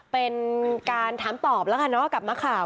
เป็นการถามตอบแล้วกับมักข่าว